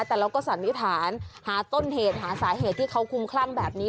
แต่เราก็สันนิษฐานหาต้นเหตุหาสาเหตุที่เขาคุ้มคลั่งแบบนี้